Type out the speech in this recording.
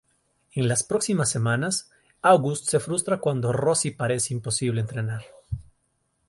En las próximas semanas, August se frustra cuando Rosie parece imposible entrenar.